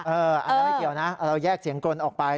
อันนั้นไม่เกี่ยวนะเราแยกเสียงกลนออกไป